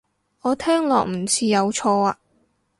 我聽落唔似有錯啊